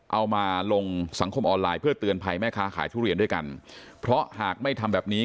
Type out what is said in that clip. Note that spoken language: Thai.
เอามาลงสังคมออนไลน์เพื่อเตือนภัยแม่ค้าขายทุเรียนด้วยกันเพราะหากไม่ทำแบบนี้